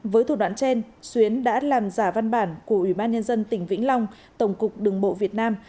với thủ đoạn trên xuyến đã làm giả văn bản của ủy ban nhân dân tỉnh vĩnh long tổng cục đường bộ việt nam